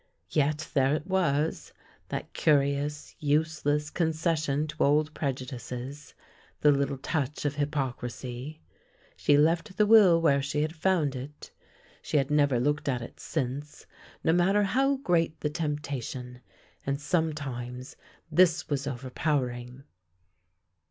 Yet there it was, that curious, useless con cession to old prejudices, the little touch of hypoc risy — she left the will where she had found it. She had never looked at it since, no matter how great the temptation, and sometimes this was overpowering.